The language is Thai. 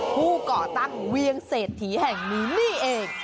ก่อตั้งเวียงเศรษฐีแห่งนี้นี่เอง